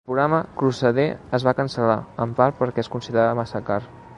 El programa Crusader es va cancel·lar, en part perquè es considerava massa car.